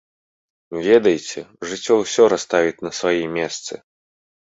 Ведаеце, жыццё ўсё расставіць на свае месцы.